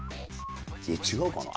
違うかな？